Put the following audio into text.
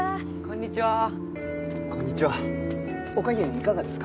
あっこんにちは。